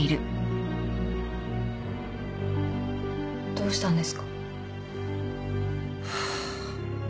どうしたんですか？